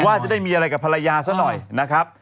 ว่าจะได้มีอะไรกับภรรยาซะหน่อยนะครับ